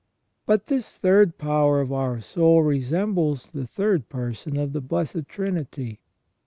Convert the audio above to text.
But this third power of our soul resembles the third Person of the Blessed Trinity.